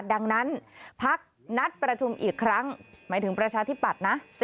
ดังนั้นพักนัดประชุมอีกครั้งหมายถึงประชาธิปัตย์นะ